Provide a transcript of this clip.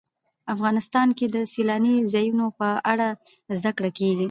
افغانستان کې د سیلانی ځایونه په اړه زده کړه کېږي.